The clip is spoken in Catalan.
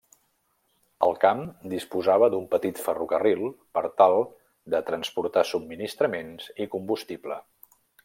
El camp disposava d'un petit ferrocarril per tal de transportar subministraments i combustible.